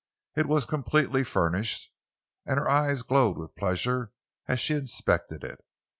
It was completely furnished, and her eyes glowed with pleasure as she inspected it.